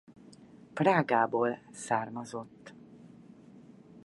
Prágából származott.